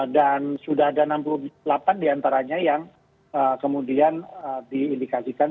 dan sudah ada enam puluh delapan diantaranya yang kemudian diindikasikan